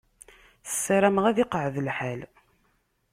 Sarameɣ ad iqeεεed lḥal.